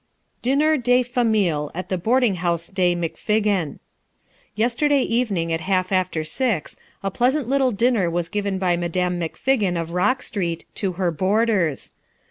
DINER DE FAMEEL AT THE BOARDING HOUSE DE MCFIGGIN Yesterday evening at half after six a pleasant little diner was given by Madame McFiggin of Rock Street, to her boarders.